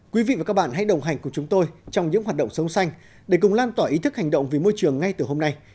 quý vị và các bạn hãy đồng hành cùng chúng tôi trong những hoạt động sống xanh để cùng lan tỏa ý thức hành động vì môi trường ngay từ hôm nay